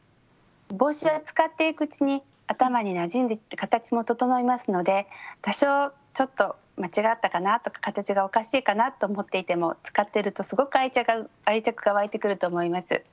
帽子は使っていくうちに頭になじんで形も整いますので多少ちょっと間違ったかなとか形がおかしいかなと思っていても使ってるとすごく愛着が湧いてくると思います。